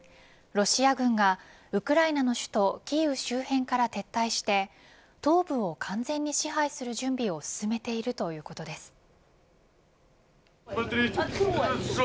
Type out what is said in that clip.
ロシア軍がウクライナの首都キーウ周辺から撤退して東部を完全に支配する準備を進めているということです。